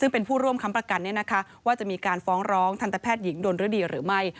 ซึ่งเป็นผู้ร่วมค้ำประกันว่าจะมีการฟ้องร้องทันตแพทย์หญิงดนรดีหรือไม่